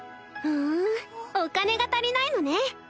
ふんお金が足りないのね。